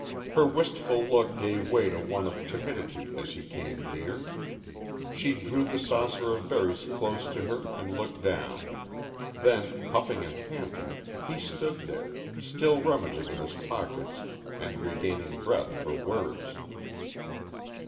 Her wistful look gave way to one of timidity as he came near. She drew the saucer of berries close to her and looked down. Then, puffing and panting, he stood there, still rummaging in his pockets, and regaining breath for words.